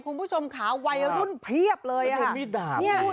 คุณผู้ชมค่ะวัยรุ่นเพียบเลยค่ะ